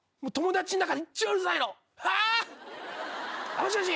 もしもし。